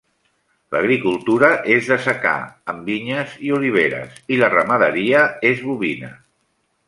L'agricultura és de secà amb vinyes i oliveres, i la ramaderia és bovina.